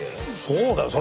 そうだよ！